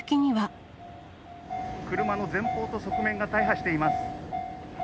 車の前方と側面が大破しています。